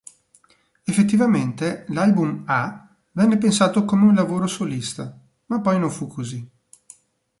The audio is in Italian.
Effettivamente l'album "A" venne pensato come un lavoro solista, ma poi non fu così.